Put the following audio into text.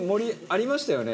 「ありました」